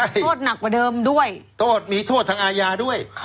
โทษหนักกว่าเดิมด้วยโทษมีโทษทางอาญาด้วย